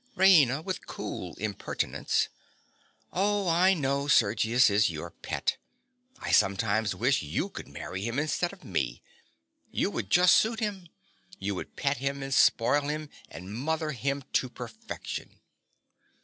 RAINA. (with cool impertinence). Oh, I know Sergius is your pet. I sometimes wish you could marry him instead of me. You would just suit him. You would pet him, and spoil him, and mother him to perfection.